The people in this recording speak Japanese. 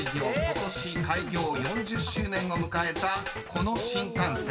ことし開業４０周年を迎えたこの新幹線］